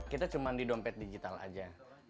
kita cuma di dompet digital aja